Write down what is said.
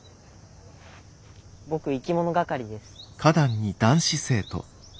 僕生き物係です。